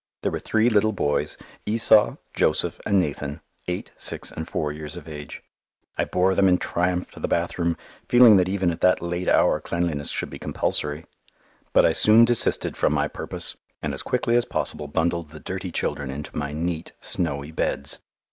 There were three little boys, Esau, Joseph, and Nathan, eight, six, and four years of age. I bore them in triumph to the bathroom, feeling that even at that late hour cleanliness should be compulsory. But I soon desisted from my purpose and as quickly as possible bundled the dirty children into my neat, snowy beds!